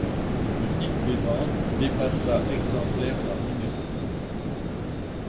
Le pic des ventes dépassa exemplaires par numéro.